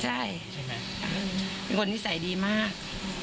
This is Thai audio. ใช่คนนิสัยดีมาก